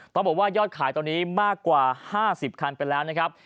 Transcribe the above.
ต้องบอกว่ายอดขายตอนนี้มากกว่า๕๐คันไปแล้วนะครับ